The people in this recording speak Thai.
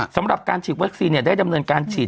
สำหรับการฉีดวัคซีนได้ดำเนินการฉีด